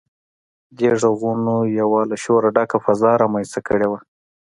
دې غږونو يوه له شوره ډکه فضا رامنځته کړې وه.